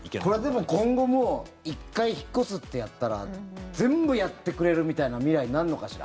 でも、今後も１回引っ越すってやったら全部やってくれるみたいな未来になるのかしら。